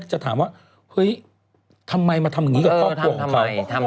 จะถามว่าเฮ้ยทำไมมาทำอย่างนี้กับครอบครัวของเขา